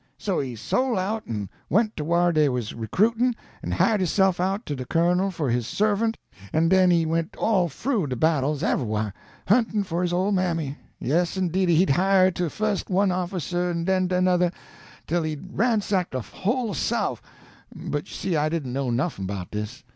So he sole out an' went to whar dey was recruitin', an' hired hisse'f out to de colonel for his servant; an' den he went all froo de battles everywhah, huntin' for his ole mammy; yes, indeedy, he'd hire to fust one officer an' den another, tell he'd ransacked de whole Souf; but you see I didn't know NUFFIN 'bout dis.